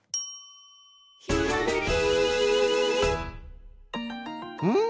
「ひらめき」ん？